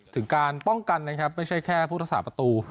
ถึงการป้องกันไม่ใช่แค่พุทธศาสตร์ประตู